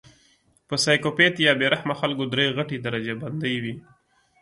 پۀ سايکو پېت يا بې رحمه خلکو درې غټې درجه بندۍ وي